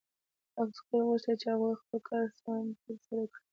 عسکرو غوښتل چې هغوی خپل کار سم ترسره کړي